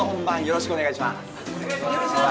よろしくお願いします。